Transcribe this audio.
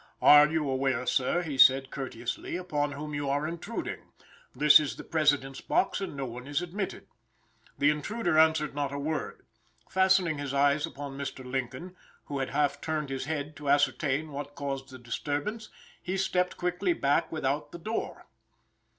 "Are you aware, sir," he said, courteously, "upon whom you are intruding? This is the President's box, and no one is admitted." The intruder answered not a word. Fastening his eyes upon Mr. Lincoln, who had half turned his head to ascertain what caused the disturbance, he stepped quickly back without the door.